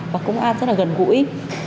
và công an rất là gần gũi